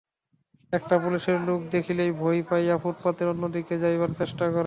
একটা পুলিশের লোক দেখিলেই ভয় পাইয়া ফুটপাতের অন্যদিকে যাইবার চেষ্টা করে।